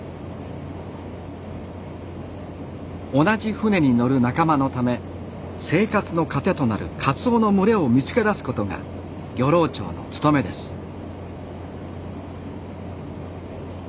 同じ船に乗る仲間のため生活の糧となるカツオの群れを見つけだすことが漁労長の務めです。